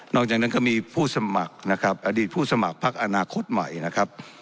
จากนั้นก็มีผู้สมัครนะครับอดีตผู้สมัครพักอนาคตใหม่นะครับ